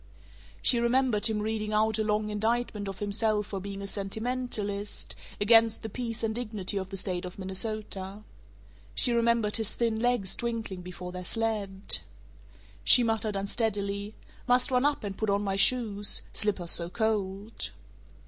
She remembered him reading out a long indictment of himself for being a sentimentalist, against the peace and dignity of the State of Minnesota. She remembered his thin legs twinkling before their sled She muttered unsteadily, "Must run up and put on my shoes slippers so cold."